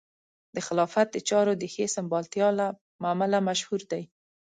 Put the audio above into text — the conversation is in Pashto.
د خلافت د چارو د ښې سمبالتیا له امله مشهور دی.